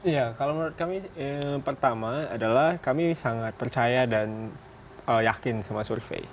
ya kalau menurut kami pertama adalah kami sangat percaya dan yakin sama survei